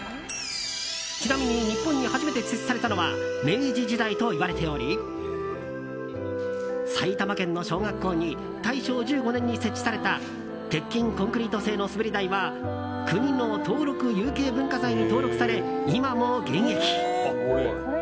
ちなみに日本に初めて設置されたのは明治時代といわれており埼玉県の小学校に大正１５年に設置された鉄筋コンクリート製の滑り台は国の登録有形文化財に登録され今も現役。